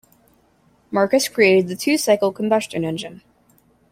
Marcus created the two-cycle combustion engine.